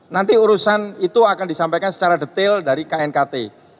nanti urusan itu akan disampaikan secara detail dari knkt